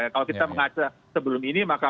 kalau kita mengatakan sebelum ini maka banyak lagi